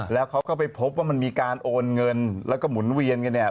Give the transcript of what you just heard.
แล้วเขาก็ไปพบว่ามันมีการโอนเงินแล้วก็หมุนเวียนกันเนี่ย